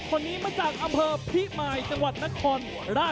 คนนี้มาจากอำเภอเมืองจังหวัดนครสีธรรมดา